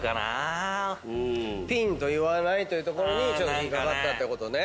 ピンと言わないというところに引っ掛かったってことね。